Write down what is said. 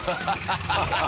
ハハハハ！